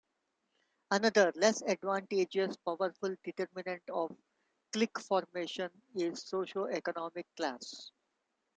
Another, less advantageous, powerful determinant of clique formation is socioeconomic class.